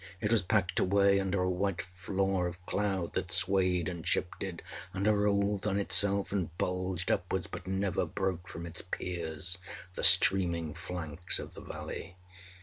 It was packed away under a white floor of cloud that swayed and shifted and rolled on itself and bulged upward, but never broke from its piers the streaming flanks of the valley.